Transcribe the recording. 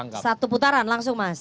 oke satu putaran langsung mas